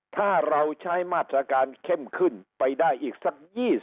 ถ้าเราใช้มาตรการเข้มขึ้นไปได้อีกสัก๒๐